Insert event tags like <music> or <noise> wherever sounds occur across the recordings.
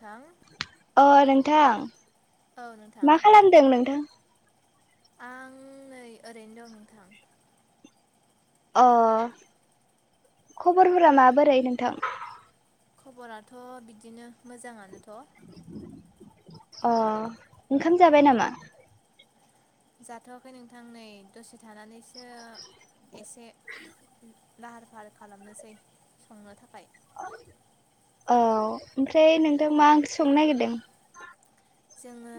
थां अ' नोंथां औ नोंथां मा खालामदों नोंथां? आं नै ओरैनो दं नोंथां। अ' खबरफोरा माबोरै नोंथां? खबराथ' बिदिनो मोजाङानोथ'। अ' ओंखाम जाबाय नामा? जाथ'आखै नोंथां नै दसे थानानैसो एसे लाहार फाहार खालामनोसै संनो थाखाय। औ ओमफ्राय नोंथां मा ओंख्रि संनो नागिरदों? जोङो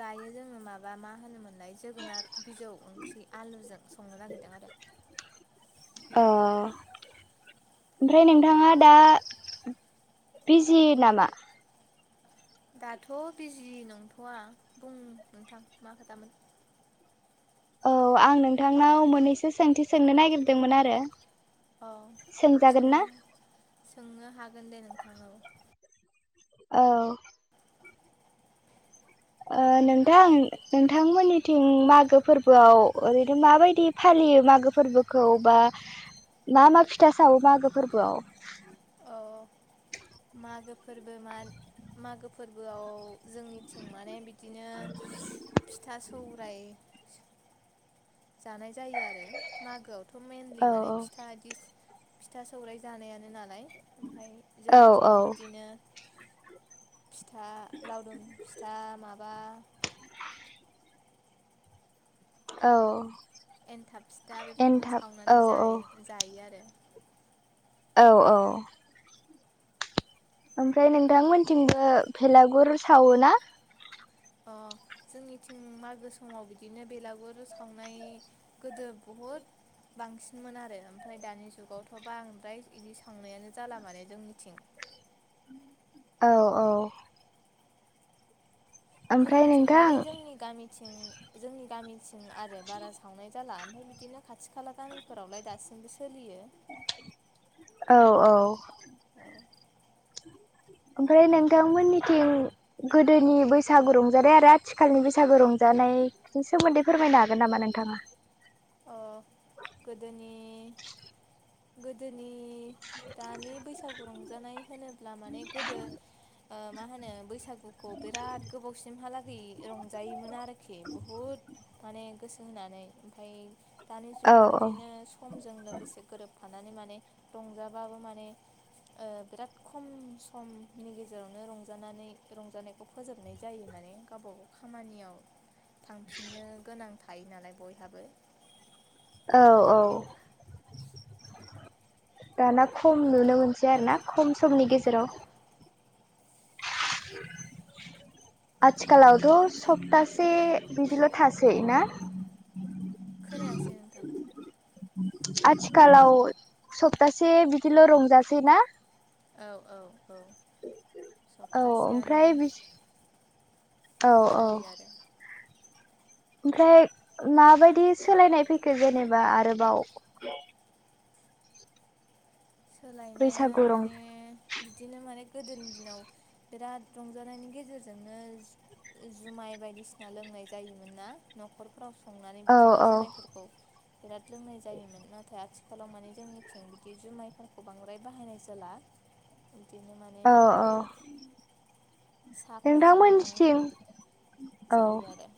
दायो जोङो माबा मा होनोमोनलाय जोगोनार बिजौ ओंख्रि आलुजों संनो नागिरदों आरो। अ' ओमफ्राय नोंथाङा दा बिजि नामा? दाथ' बिजि नंथ'आ। बुं नोंथां मा खोथामोन? औ आं नोंथांनाव मोननैसो सोंथि सोंनो नागिरदोंमोन आरो। औ सोंजागोन ना सोंनो सोंनो हागोन दे नोंथां औ। औ ओ नोंथां नोंथांमोननिथिं मागो फोरबोआव ओरैनो माबायदि फालियो मागो फोरबोखौ बा मा मा फिथा सावो मागो फोरबोआव? अ' मागो फोरबो मान मागो फोरबोआव जोंनिथिं माने बिदिनो फिथा सौराय जानाय जायो आरो। मागोआवथ' मेनलि औ माने फिथा इस फिथा, सौराइ जानायानो नालाय। ओमफाय औ औ जोंनिथिंबो बिदिनो फिथा लावदुम फिथा माबा औ एन्थाब फिथा बेफोरखौ एन्थाब औ सावनानै औ जायो जायो आरो। औ औ ओमफ्राय नोंथांमोनथिंबो भेलागुर सावो ना? अ' जोंनिथिं मागो स समाव बिदिनो बेलागुर सावनाय गोदो बुहुद बांसिनमोन आरो ओमफ्राय दानि जुगावथ' बांद्राय इदि सावनायानो जाला माने जोंनिथिं। औ औ ओमफ्राय जोंनिथिं नोंथां माने जोंनि गामि थिं जोंनि गामिथिं आरो बारा सावनाय जाला ओमफाय बिदिनो खाथि खाला गामिफोरावलाय दासिमबो सोलियो। औ औ औ ओमफ्राय नोंथांमोननिथिं गोदोनि बैसागु रंजानाय आरो आथिखालनि बैसागु रंजानाय सोमोन्दै फोरमायनो हागोन नामा नोंथाङा? अ गोदोनि गोदोनि दानि बैसागु रंजानाय होनोब्ला माने गोदो ओ मा होनो बैसागुखौ बिराद गोबावसिमहालागै रंजायोमोन आरोखि बुहुत माने गोसो होनानै ओमफाय दानि औ जुगाव औ बिदिनो खमजों लोगोसे गोरोबफानानै माने रंजाबाबो माने ओ बिराद खम समनि गेजेरावनो रंजानानै रंजानाय खौ फोजोबनाय जायो माने गावबा गाव खामानियाव थांफिननो गोनां थायो नालाय बयहाबो औ औ दाना खम नुनो मोनसै आरो ना खम समनि गेजेराव <inaudible> आथिखालावथ' सप्तासे बिदिल' थासै ना? खोनायासै नोंथां? आथिखालाव सप्तासे बिदिल' रंजासै ना? औ औ औ औ सप्तासेयानो ओमफ्राय बिस औ औ जायो आरो ओमफ्राय माबायदि सोलायनाय फैखो जेनेबा आरोबाव सोलायनाया बैसागु रं माने बिदिनो माने गोदोनि दिनाव बिराद रंजानायनि गेजेरजोंनो जो जुमाय बायदिसिना लोंनाय जायोमोन ना? न'खरफोराव संनानै औ बिदिनो औ जुमायफोरखौ बिराद लोंनाय जायोमोन नाथाय आथि खालाव माने जोंनिथिं बिदि जुमायफोरखौ बांद्राय बाहायनाय जाला। बिदिनो माने औ साहाफोरजोंनो नोंथांमोननिथिं औ जायो आरो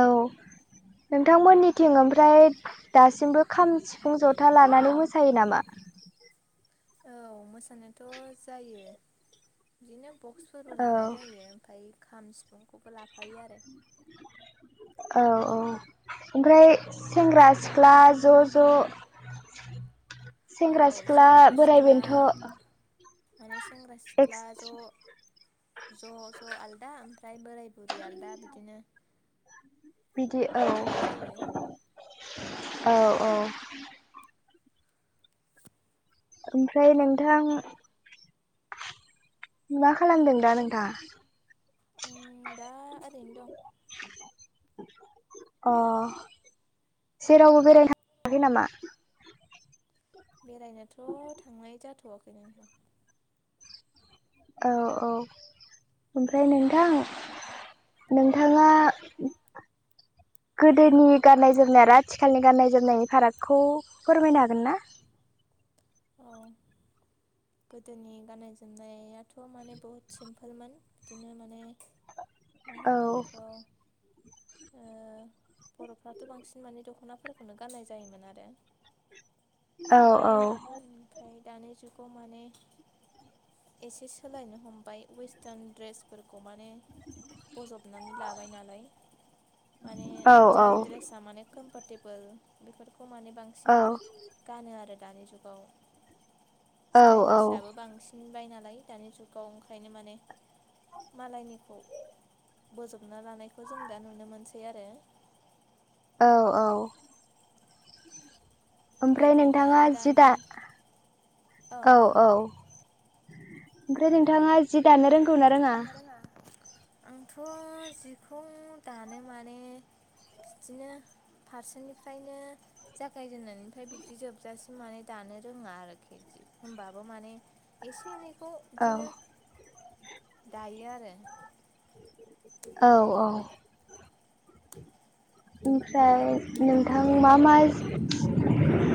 औ नोंथांमोननिथिं ओमफ्राय दासिमबो खाम सिफुं जथा लानानै मोसायो नामा? औ मोसानायथ' जायो बिदिनो बक्सफोरबो औ लानाय जायो। ओमफाय खाम सिफुंखौबो लाफायो आरो औ औ ओमफ्राय सेंग्रा सिख्ला ज' ज' औ सेंग्रा औ सिख्ला बोराइ सेंग्रा-सिख्ला बेन्थ' माने सेंग्रा सिख्ला एक्स ज' ज' ज' आलदा ओमफ फ्राय बोराय बुरि आलदा बिदिनो बिदि औ रंजानाय जायो। औ औ ओमफ्राय नोंथां मा खालामदों दा नोंथांआ? उ दा ओरैनो दं। अ जेरावबो बेरायनो थाङाखै नामा? बेरायनोथ' थांनाय जाथ'वाखैनो औ औ ओमफ्राय नोंथां औ नोंथाङा <unintelligible> गोदोनि गाननाय जोमनाय आरो आथिखालनि गाननाय जोमनायनि फारागखौ फोरमायनो हागोन ना? अ गोदोनि गाननाय जोमनायाथ' माने बुहुत सिमपोलमोन बिदिनो माने मा औ होनो बेखौ ओ बर'फ्राथ' बांसिन माने दख'नाफोरखौनो गाननाय जायोमोन आरो औ औ। ओमफ्राय दानि जुगाव माने एसे सोलायनो हमबाय वेस्टारन ड्रेस फोरखौ माने बजबनानै लाबायनालाय माने औ जायद्रेस थारमाने कमफरटेबोल बेफोरखौ माने बांसिन औ गानो आरो दानि जुगाव औ औ स्टाइलिस आबो बांसिन दिहुनबाय नालाय दानि जुगाव ओंखायनो माने मालायनिखौ बोजबना लानायखौ जों दा नुनो मोनसै आरो औ औ। ओमफ्राय गोदोनि नोंथाङा आरो जि दानि दा औ औ। ओमफ्राय नोंथाङा जि दानो रों रोङा आंथ जिखौ दानो मानो बिदिनो फारसेनिफ्रायनो जागायजेननायनिफ्राय बिदि जोबजासिम माने दानो रोङा आरोखि जि होमबाबो माने एसे एनैखौ औ बिदिनो दायो आरो औ औ ओमफ्राय नों नोंथां मा मा दानो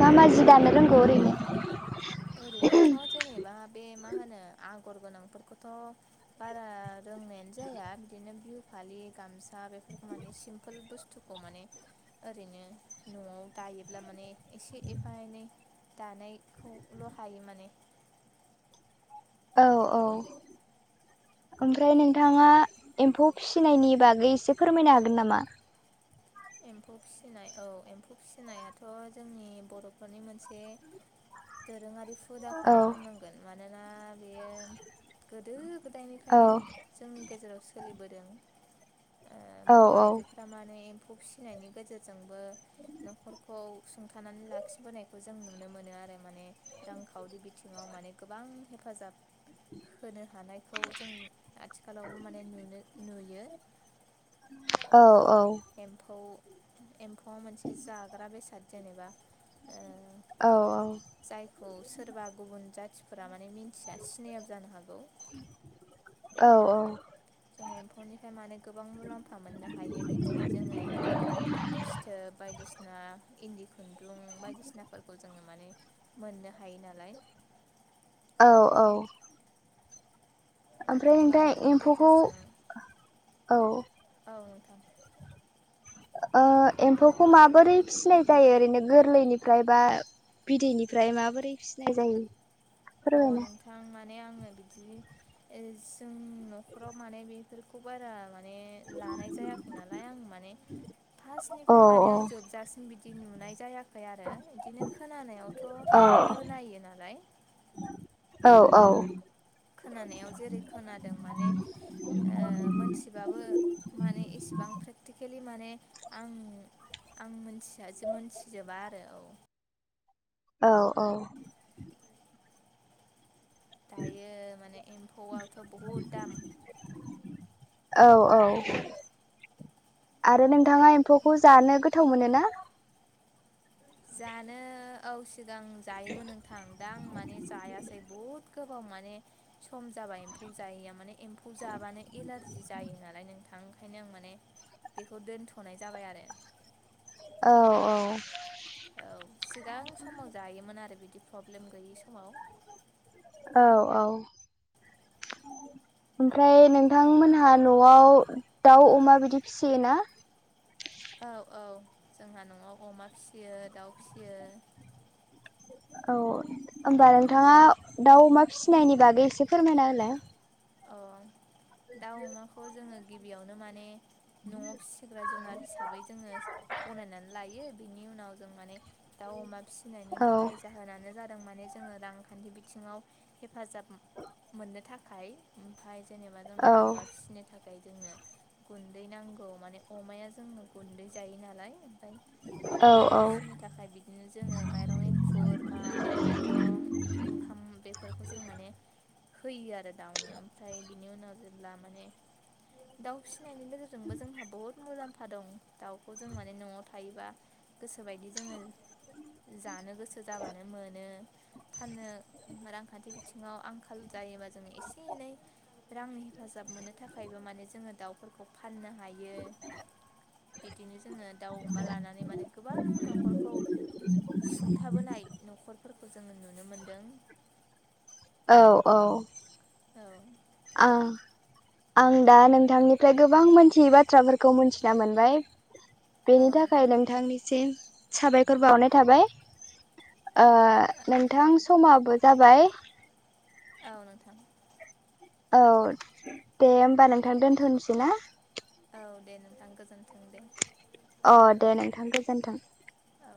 मा मा जि दानो रोंगौ ओरैनो ओरैनोथ जेनेबा बे मा होनो आगर गोनांफोरखौथ' बारा रोंनायानो जाया बिदिनो बिहु फालि गामसा बेफोरखौ माने सिम्पोल बुस्थु खौ माने ओरैनो नआव दायोब्ला माने एसे एफा एनै दानायखौ ल' हायो माने औ औ <inaudible> ओमफ्राय नोंथाङा एम्फौ फिसिनायनि बागै एसे फोरमायनो हागोन नामा? एम्फौ फिसिनाय औ एम्फौ फिसिनायाथ जोंनि बर'फोरनि मोनसे दोरोङारि औ हुदाखौनो बुंनांगोन मानोना बेयो गोदो औ गोदायनिफ्रायनो जोंनि गेजेराव सोलिबोदों ओ औ बर आइजोफोरा माने एम्फौ फिसिनायनि गेजेरजोंबो नखरखौ सुंथानानै लाखिबोनायखौ जों नुनो मोनो आरो माने रांखावरि बिथिङाव माने गोबां हेफाजाब होनो हानायखौ जों आथिखालावबो माने नुनो नुयो। औ औ। एम्फौ एम्फौआ मोनसे जाग्रा बेसाद जेनेबा ओ औ जायखौ सोरबा गुबुन जाथिफोरा माने मिन्थिया सिनायाबो जानो हागौ। औ औ। जों एम्फौनिफ्राय माने गोबां मुलाम्फा मोननो हायो बिदिनो जोङो एम्फौनिफ्राय फिथोब बायदिसिना इन्दि खुन्दुं बायदिसिनाफोरखौ जोङो माने मोननो हायो नालाय औ औ ओमफ्राय एम्फौ नोंथां लानायनि एम्फौखौ गेजेरजों औ औ नोंथां ओ एम्फौखौ माबोरै फिसिनाय जायो ओरैनो गोरलैनिफ्राय बा बिदैनिफ्राय माबोरै फिसिनाय जायो। अ फोरमायना नोंथां माने आङो बिदि जोंनि नखराव माने बे फोरखौ बारा माने लानाय जायाखै नालाय आं माने औ फार्स्टनिफ्राय माने आं जोबजासिन बिदि नुनाय जायाखै आरो बिदिनो खोनानायावथ औ खोनायो नालाय औ औ खोनानायाव जेरै खोनादों माने ओ मोनथि बाबो माने एसेबां प्रेकटिकेलि माने आं आं मिथिया मोनथिजोबा आरो औ औ औ दायो माने एम्फौआथ बहुद दाम औ औ आरो नोंथाङा एम्फौखौ जानो गोथाव मोनोना? जानो औ सिगां जायोमोन नों थां दा आं माने जायासै बहुद गोबाव माने सम जाबाय एम्फौ जायिया माने एम्फौ जाबानो एलारजि जायो नालाय नोंथां ओंखायनो आं माने बेखौ दोनथ'नाय जाबाय आरो। औ औ औ सिगां समाव जायोमोन आरो बिदि प्रब्लेम गैयि समाव औ औ ओमफ्राय नोंथांमोनहा न'आव दाउ अमा बिदि फिसियोना? औ औ जोंहा न'आव अमा फिसियो दाउ फिसियो। औ होमबा नोंथाङा दाउ अमा फिसिनायनि बागै एसे फोरमायना होलाय। अ दाउ अमाखौ जोंङो गिबियावनो माने न'आव फिसि सिग्रा जुनार हिसाबै जोंङो गनायनानै लायो बिनि उनाव जों माने दाउ अमा फिसिनायनि औ गाहाय जाहोनानो जादों माने जोंङो रांखान्थि बिथिङाव हेफाजाब मोननो थाखाय ओमफाय जेनेबा जोंङो औ अमा फिसिनो था खाय जोंनो गुन्दै नांगौ माने अमाया जोंनो गुन्दै जायो नालाय ओमफाय औ दाउ औ फिसिनो थाखाय बिदिनो जोंङो माइरं एंखुर माइ माइरं ओंखाम बेफोरखौ जों माने होयो आरो। दाउनो ओमफ्राय बिनि उनाव जेब्ला माने दाउ फिसिनायनि गेजेरजोंबो जोंहा बहुद मुलाम्फा दं। दाउखौ जों माने न'आव थायोबा गोसोबायदि जोंङो जानो गोसो जाबानो मोनो। फाननो रांखान्थि बिथिङाव आंखाल जायोबा जोंङो एसे एनै रांनि हेफाजाब मोननो थाखायबो माने जोंङो दाउफोरखौ फाननो हायो। बिदिनो जोंङो दाउ अमा लानानै माने गोबां न'खरखौ सुंथाबोनाय न'खरफोरखौ जोंङो नुनो मोनदों। औ औ औ आ आं दा नोंथांनिफ्राय गोबां मोनथियै बाथ्राफोरखौ मोनथिना मोनबाय। औ बेनि थाखाय नोंथां नोंथांनिसिम साबायखर बावनाय थाबाय। ओ नोंथां समाबो जाबाय। औ नोंथां। औ दे होमबा नोंथां दोनथ'नोसै ना? औ दे नोंथां गोजोन्थों दे। अ दे नोंथां गोजोन्थों। औ